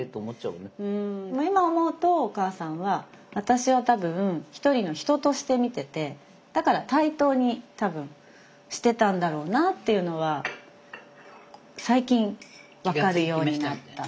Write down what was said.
うん今思うとお母さんは私を多分１人の人として見ててだから対等に多分してたんだろうなっていうのは最近分かるようになった。